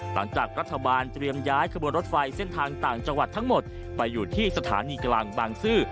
หลังจากรัฐบาลเตรียมย้ายขบวนรถไฟเส้นทางต่างจังหวัดทั้งหมดไปอยู่ที่สถานีกลางบางซื่อ